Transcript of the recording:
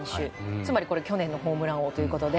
つまり、去年のホームラン王ということで。